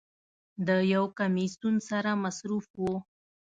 د یو کمیسون سره مصروف و.